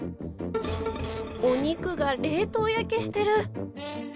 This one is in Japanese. お肉が冷凍焼けしてる。